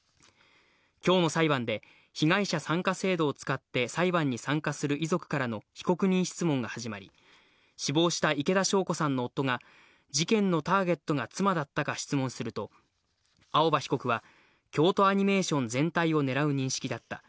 きょうの裁判で、被害者参加制度を使って裁判に参加する遺族からの被告人質問が始まり、死亡した池田晶子さんの夫が、事件のターゲットが妻だったか質問すると、青葉被告は、京都アニメーション全体を狙う認識だった。